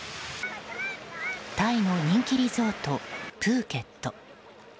タイの人気リゾートプーケット。